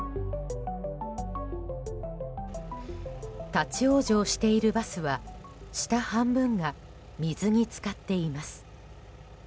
立ち往生しているバスは下半分が水に浸かっています。